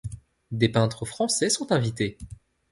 Des peintres français sont invités.